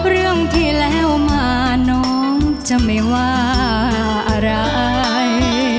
เรื่องที่แล้วมาน้องจะไม่ว่าอะไร